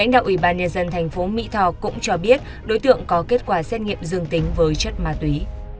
dân thành phố mỹ thò cũng cho biết đối tượng có kết quả xét nghiệm dương tính với chất ma túy